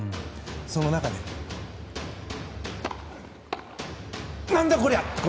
その中で、何だこりゃ！